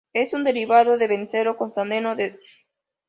Es un derivado de benceno, constando de dos átomos de cloro adyacentes.